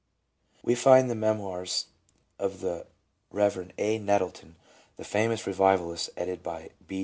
We find in the memoirs of the Rev. A. Nettleton, the famous Re vivalist, edited by B.